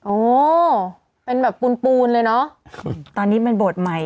โอ้เป็นแบบปูนปูนเลยเนอะตอนนี้เป็นโบสถ์ใหม่